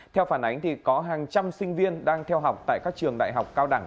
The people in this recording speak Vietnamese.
theo phản ánh có hàng trăm sinh viên đang theo học tại các trường đại học cao đẳng